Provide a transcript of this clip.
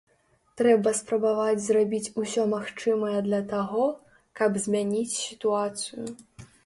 Трэба спрабаваць зрабіць усё магчымае для таго, каб змяніць сітуацыю.